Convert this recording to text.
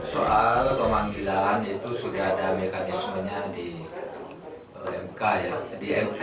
soal pemanggilan itu sudah ada mekanismenya di mk